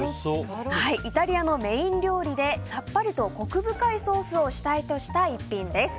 イタリアのメイン料理でさっぱりとコク深いソースを主体とした一品です。